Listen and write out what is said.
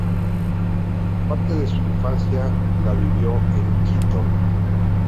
Parte de su infancia la vivió en Quito.